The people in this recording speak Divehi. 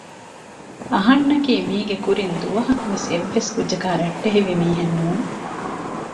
އަހަންނަކީ މީގެ ކުރިން ދުވަހަކުވެސް އެއްވެސް ކުއްޖަކާއި ރައްޓެހިވި މީހެއް ނޫން